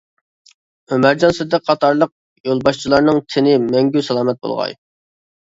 ئۆمەرجان سىدىق قاتارلىق يولباشچىلارنىڭ تېنى مەڭگۈ سالامەت بولغاي!